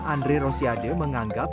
andre rosiade menganggap